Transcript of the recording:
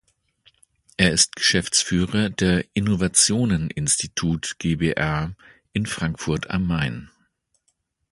Er ist Geschäftsführer der Innovationen Institut GbR in Frankfurt am Main.